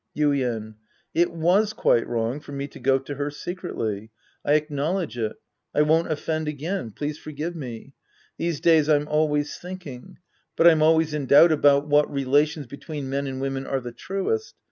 Yuien. It was quite wrong for me to go to her secretly. I acknowledge it. I won't offend again. Please forgive me. These days, I'm always thinking. But I'm always in doubt about what relations between men and women are the truest.